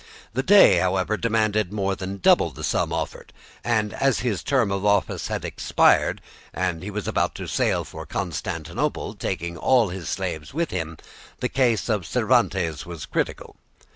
The Dey, however, demanded more than double the sum offered, and as his term of office had expired and he was about to sail for Constantinople, taking all his slaves with him, the case of Cervantes was critical.